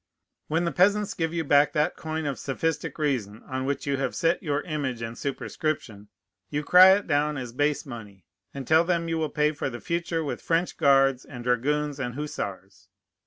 When the peasants give you back that coin of sophistic reason on which you have set your image and superscription, you cry it down as base money, and tell them you will pay for the future with French guards and dragoons and hussars.